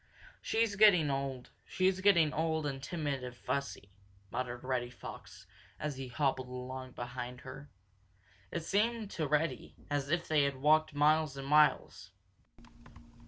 "She's getting old. She's getting old and timid and fussy," muttered Reddy Fox, as he hobbled along behind her. It seemed to Reddy as if they had walked miles and miles.